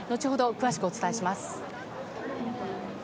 詳しくお伝えします。